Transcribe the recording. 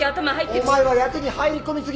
お前は役に入り込み過ぎる。